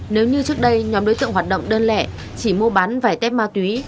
nếu như trước đây nhóm đối tượng hoạt động đơn lẻ chỉ mua bán vài tép ma túy